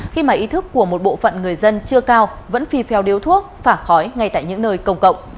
khi mà ý thức của một bộ phận người dân chưa cao vẫn phi pheo điếu thuốc phả khói ngay tại những nơi công cộng